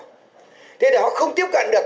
như vậy họ không tiếp cận được